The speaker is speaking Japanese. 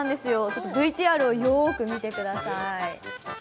ちょっとＶＴＲをよーく見てください。